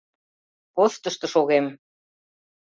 — Постышто шогем.